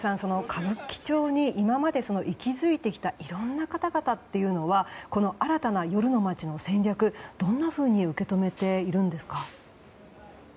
歌舞伎町に今まで息づいてきたいろんな方々というのはこの新たな夜の街の戦略をどんなふうに受け止めているいるんですか。